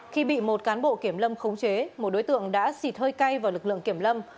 khi bị một cán bộ kiểm lâm khống chế một đối tượng đã xịt hơi cay vào lực lượng kiểm lâm